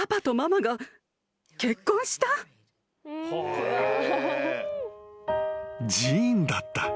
［ジーンだった］